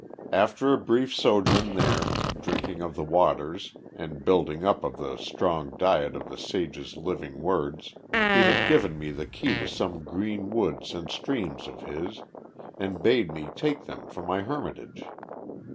After a brief sojourn there, drinking of the waters, and building up on the strong diet of the sage's living words, he had given me the key to some green woods and streams of his, and bade me take them for my hermitage.